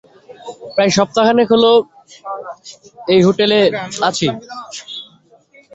প্রায় সপ্তাহখানেক হল এই হোটেলে আছি।